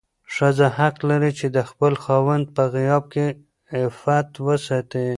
ښځه حق لري چې د خپل خاوند په غياب کې عفت وساتي.